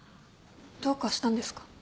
どうかしたんですか？